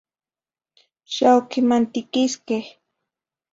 Xa oquimantiquisqueh.